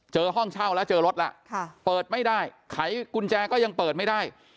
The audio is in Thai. ห้องเช่าแล้วเจอรถแล้วเปิดไม่ได้ไขกุญแจก็ยังเปิดไม่ได้